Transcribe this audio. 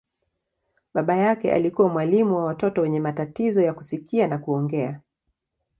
Baba yake alikuwa mwalimu wa watoto wenye matatizo ya kusikia na kuongea.